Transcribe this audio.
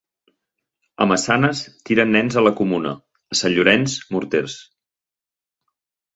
A Massanes, tiren nens a la comuna. A Sant Llorenç, morters.